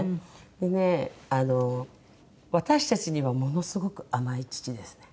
それでね私たちにはものすごく甘い父ですね。